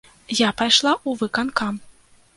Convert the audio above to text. Я пайшла ў выканкам.